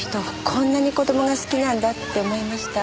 こんなに子供が好きなんだって思いました。